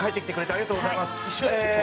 ありがとうございます。